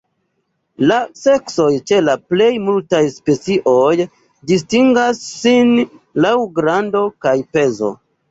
La seksoj ĉe la plej multaj specioj distingas sin laŭ grando kaj pezo.